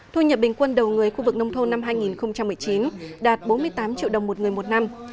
thu nhập bình quân đầu người khu vực nông thôn năm hai nghìn một mươi chín đạt bốn mươi tám triệu đồng một người một năm